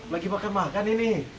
lagi makan makan ini